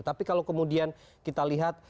tapi kalau kemudian kita lihat